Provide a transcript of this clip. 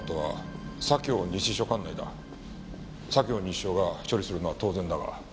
西署が処理するのは当然だが。